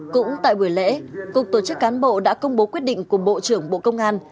cũng tại buổi lễ cục tổ chức cán bộ đã công bố quyết định của bộ trưởng bộ công an